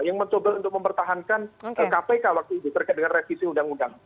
yang mencoba untuk mempertahankan kpk waktu itu terkait dengan revisi undang undang